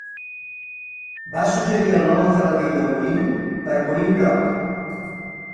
Va suggerir el nom alternatiu de Moorine, per Moorine Rock.